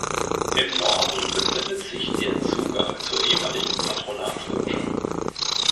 Im Norden befindet sich der Zugang zur ehemaligen Patronatsloge.